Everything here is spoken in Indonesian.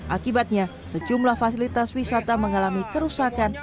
akibatnya sejumlah fasilitas wisata mengalami kerusakan